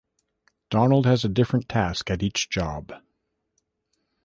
Donald has a different task at each job.